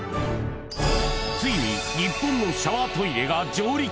ついに日本のシャワートイレが上陸